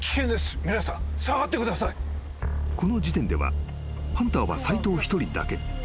［この時点ではハンターは斎藤一人だけ］